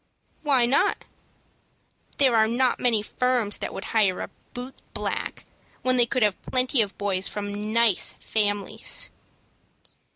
"Why not?" "There are not many firms that would hire a boot black, when they could get plenty of boys from nice families."